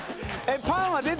⁉パンは出たやろ？